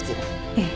ええ。